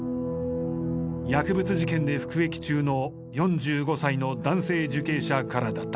薬物事件で服役中の４５歳の男性受刑者からだった。